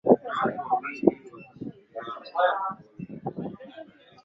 wameshindwa kujua nini kinachofanya maji ya mto huo